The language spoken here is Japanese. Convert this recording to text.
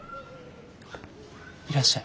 いらっしゃい。